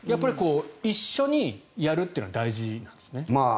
一緒にやるというのが大事なんですね。